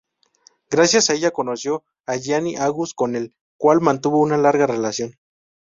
Gracias a ella conoció a Gianni Agus con el cual mantuvo una larga relación.